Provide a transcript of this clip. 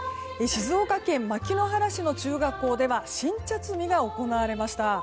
静岡県牧之原市の中学校では新茶摘みが行われました。